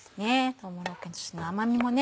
とうもろこしの甘みもね